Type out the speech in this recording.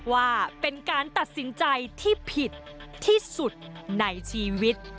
ว่าเป็นการตัดสินใจที่ผิดที่สุดในชีวิต